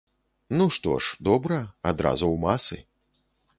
Ну, што ж, добра, адразу ў масы.